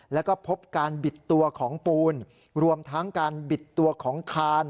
แล้วก็พบการบิดตัวของปูนรวมทั้งการบิดตัวของคาน